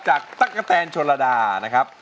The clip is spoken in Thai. จากตั๊กกะแทนโชลดานะครับ